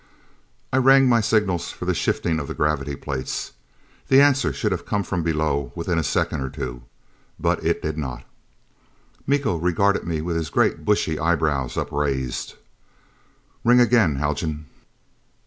I rang my signals for the shifting of the gravity plates. The answer should have come from below within a second or two. But it did not. Miko regarded me with his great bushy eyebrows upraised. "Ring again, Haljan."